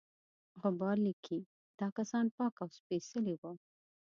غبار لیکي دا کسان پاک او سپیڅلي وه.